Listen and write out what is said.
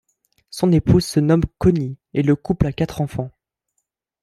Son épouse se nomme Connie et le couple a quatre enfants.